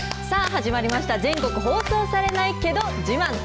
さあ、始まりました、全国放送されないけど自慢。